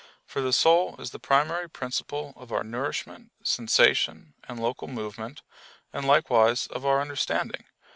For the soul is the primary principle of our nourishment, sensation, and local movement; and likewise of our understanding.